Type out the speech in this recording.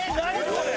これ。